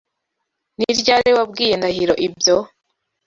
Ni ryari wabwiye Ndahiro ibyo?